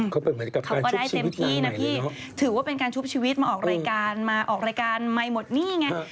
เขาก็ได้เต็มที่นะพี่ถือว่าเป็นการชุบชีวิตมาออกรายการไม่หมดหนี้ไง